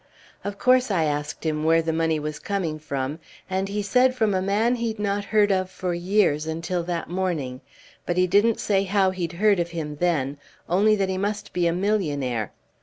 Of course I asked him where the money was coming from, and he said from a man he'd not heard of for years until that morning, but he didn't say how he'd heard of him then, only that he must be a millionaire.